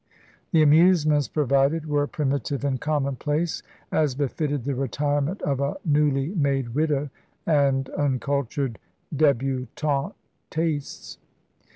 The amusements provided were primitive and commonplace, as befitted the retirement of a newly made widow and uncultured débutante tastes.